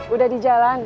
udah di jalan